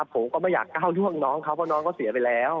ผมก็ไม่อยากก้าวล่วงน้องเขาเพราะน้องเขาเสียไปแล้ว